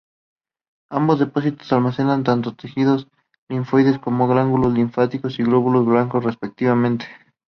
Ambos depósitos almacenan tanto tejido linfoide como ganglios linfáticos y glóbulos blancos respectivamente.